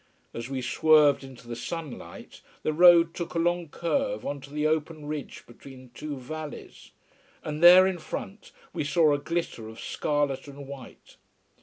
As we swerved into the sunlight, the road took a long curve on to the open ridge between two valleys. And there in front we saw a glitter of scarlet and white.